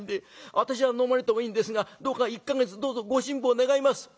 私は飲まれてもいいんですがどうか１か月どうぞご辛抱願います」。